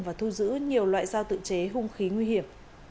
và thu giữ nhiều loại dao tự chế hung khí nguy hiểm